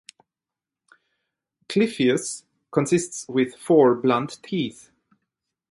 Clypeus consists with four blunt teeth.